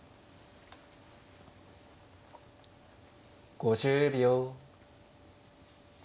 ５０秒。